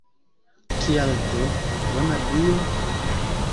Kial do, bona Dio?